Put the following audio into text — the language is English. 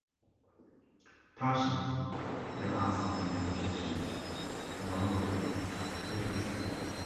Patients were asked to be on medications for longer periods if necessary.